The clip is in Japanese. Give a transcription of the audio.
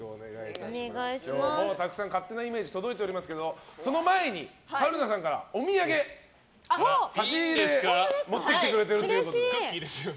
たくさん勝手なイメージが届いておりますけどその前に、春菜さんからお土産差し入れを持ってきてくれているということで。